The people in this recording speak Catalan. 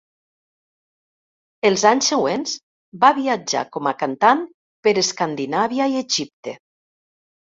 Els anys següents va viatjar com a cantant per Escandinàvia i Egipte.